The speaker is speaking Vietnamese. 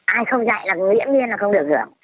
ai không dạy là miễn nhiên là không được hưởng